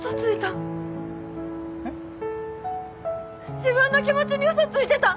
自分の気持ちに嘘ついてた。